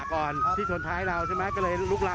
ก็มีเจ็บจนทุกชั่วขา